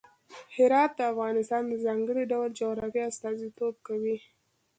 هرات د افغانستان د ځانګړي ډول جغرافیه استازیتوب کوي.